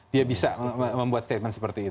dia bisa membuat statement seperti itu